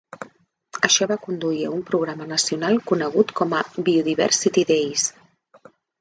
Això va conduir a un programa nacional conegut com a Biodiversity Days.